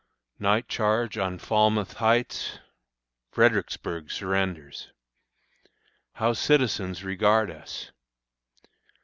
Night Charge on Falmouth Heights. Fredericksburg Surrenders. How Citizens regard us.